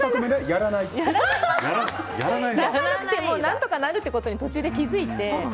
やらなくても何とかなるということに途中で気づいて。